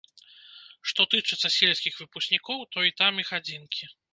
Што тычыцца сельскіх выпускнікоў, то і там іх адзінкі.